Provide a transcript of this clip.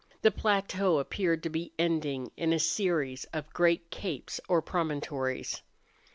The plateau appeared to be ending in a series of great capes or promontories.